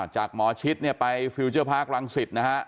จากหมอชิสไปฟิวเจอร์พาร์ครังศิษย์นะฮะ